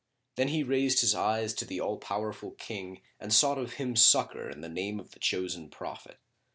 Then he raised his eyes to the All powerful King and sought of Him succour in the name of the Chosen Prophet.